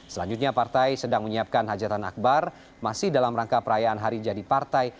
selanjutnya partai sedang menyiapkan hajatan akbar masih dalam rangka perayaan hari jadi partai